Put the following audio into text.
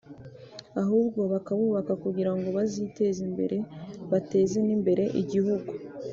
ahubwo bakabubaka kugirango baziteze imbere bateze n’imbere igihugu